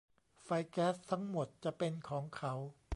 ไฟแก๊สทั้งหมดจะเป็นของเขา